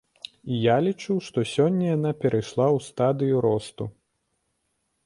І я лічу, што сёння яна перайшла ў стадыю росту.